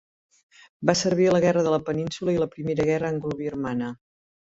Va servir a la Guerra de la Península i a la primera guerra anglo-birmana.